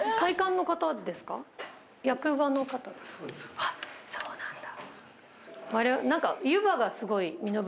あっそうなんだ。